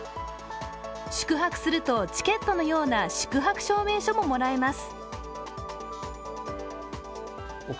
宿泊するとチケットのような宿泊証明書ももらえます。